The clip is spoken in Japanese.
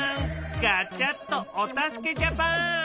ガチャっとお助けジャパン！